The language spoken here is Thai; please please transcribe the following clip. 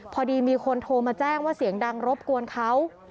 พอดีมีคนโทรมาแจ้งว่าเสียงดังรบกวนเขา